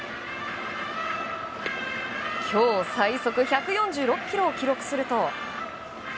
今日最速１４６キロを記録すると。